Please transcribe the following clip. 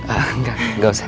enggak enggak usah